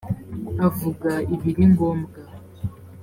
avuga ibiringombwa.